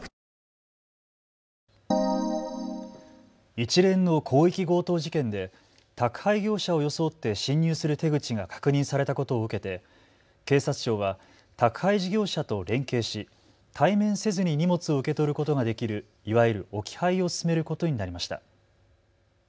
一連の広域強盗事件で宅配業者を装って侵入する手口が確認されたことを受けて警察庁は宅配事業者と連携し対面せずに荷物を受け取ることができる、いわゆる置き配を進めることになりました。